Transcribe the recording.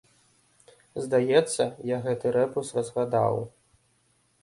Здаецца, я гэты рэбус разгадаў.